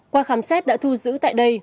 qua khám xét đã thu giữ tại đây